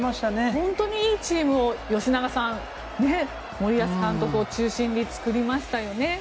本当にいいチームを吉永さん森保監督を中心に作りましたよね。